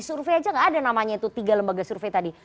survei aja gak ada namanya itu tiga lembaga survei tadi